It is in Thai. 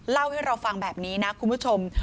เล่าให้เราฟังแบบนี้นะคุณผู้ชม